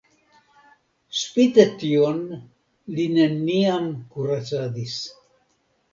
Spite tion li neniam kuracadis.